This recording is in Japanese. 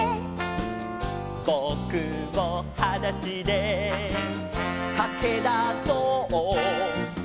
「ぼくもはだしでかけだそう」